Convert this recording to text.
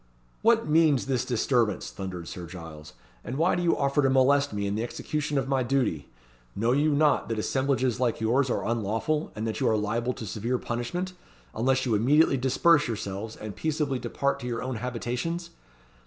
"What means this disturbance?" thundered Sir Giles; "and why do you offer to molest me in the execution of my duty? Know you not that assemblages like yours are unlawful, and that you are liable to severe punishment, unless you immediately disperse yourselves, and peaceably depart to your own habitations?